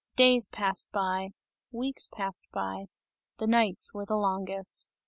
Days passed by, weeks passed by; the nights were the longest.